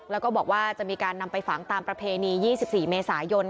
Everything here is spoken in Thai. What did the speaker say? แล้วก็บอกว่าจะมีการนำไปฝังตามประเพณี๒๔เมษายน